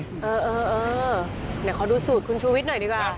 ไหนขอดูสูตรคุณชูวิทย์หน่อยดีกว่า